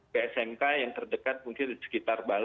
ke smk yang terdekat mungkin di smk yang terdekat